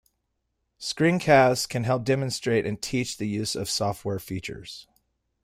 Screencasts can help demonstrate and teach the use of software features.